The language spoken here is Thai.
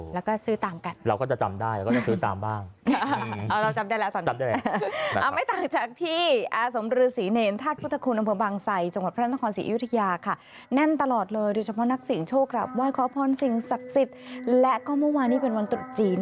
และก็เมื่อวานี้เป็นวันตุฐจีน